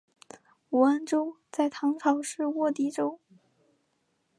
武安州在唐朝是沃州地。